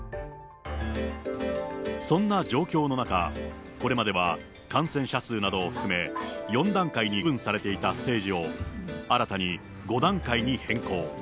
そんな状況の中、これまでは感染者数などを含め、４段階に区分されていたステージを、新たに５段階に変更。